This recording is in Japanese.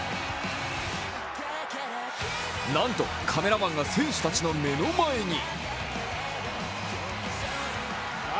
なんとカメラマンが選手たちの目の前に。